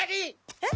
えっ？